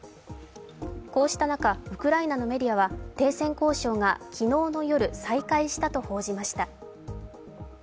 こうした中ウクライナのメディアは停戦交渉が昨日の夜再開したと報じました。